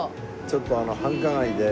ちょっとあの繁華街で。